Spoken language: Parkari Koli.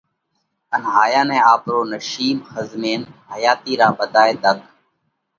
ان ھايا نئہ آپرو نشِيٻ ۿزمينَ حياتِي را ٻڌائي ۮک